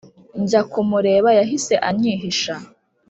njya kumureba yahise anyihisha .